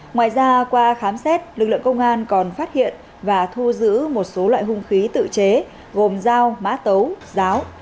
ngoài ra qua khám xét lực lượng công an còn phát hiện và thu giữ một số loại hung khí tự chế gồm dao mã tấu ráo